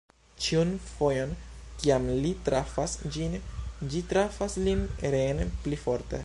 Ĉiun fojon, kiam li trafas ĝin, ĝi trafas lin reen pli forte.